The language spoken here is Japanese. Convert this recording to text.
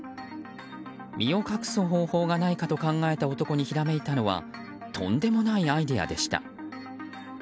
身を隠す方法がないかと考えた男にひらめいたのはとんでもないアイデアでした。